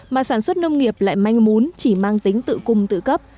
mà sản xuất nông nghiệp lại manh mún chỉ mang tính tự cung tự cấp